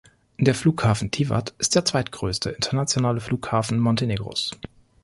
Der Flughafen Tivat ist der zweitgrößte internationale Flughafen Montenegros.